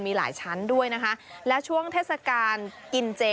มีหลายชั้นด้วยนะคะและช่วงเทศกาลกินเจ